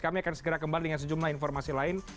kami akan segera kembali dengan sejumlah informasi lain